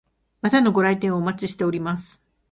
またのご来店をお待ちしております。